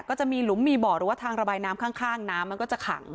ก็จะมีหลุมมีบ่อหรือว่าทางระบายน้ำข้างน้ำมันก็จะขัง